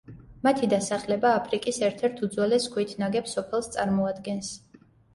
მათი დასახლება აფრიკის ერთ-ერთ უძველეს ქვით ნაგებ სოფელს წარმოადგენს.